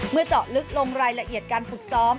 เจาะลึกลงรายละเอียดการฝึกซ้อม